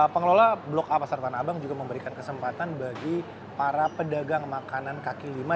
pengelola blok a pasar tanah abang juga memberikan kesempatan bagi para pedagang makanan kaki lima